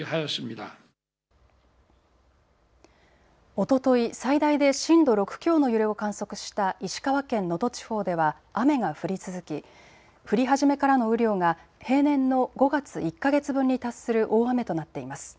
おととい最大で震度６強の揺れを観測した石川県能登地方では雨が降り続き降り始めからの雨量が平年の５月１か月分に達する大雨となっています。